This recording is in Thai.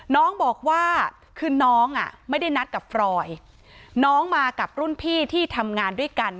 น้องบอกว่าคือน้องอ่ะไม่ได้นัดกับฟรอยน้องมากับรุ่นพี่ที่ทำงานด้วยกัน